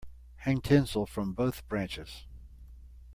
Hang tinsel from both branches.